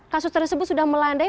kasus tersebut sudah melandai